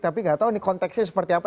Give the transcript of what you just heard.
tapi gak tau konteksnya seperti apa